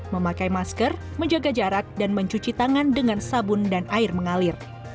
memakai masker menjaga jarak dan mencuci tangan dengan sabun dan air mengalir